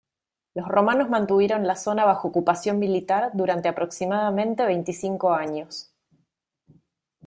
Los romanos mantuvieron la zona bajo ocupación militar durante aproximadamente veinticinco años.